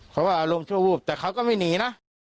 เขาว่าอารมณ์ชั่ววูบแต่เขาก็ไม่หนีนะ